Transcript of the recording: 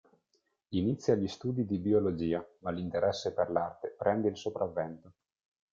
Inizia gli studi di biologia, ma l'interesse per l'arte prende il sopravvento.